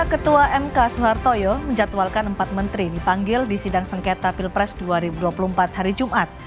ketua mk soehartoyo menjatuhalkan empat menteri dipanggil di sidang sengketa pilpres dua ribu dua puluh empat hari jumat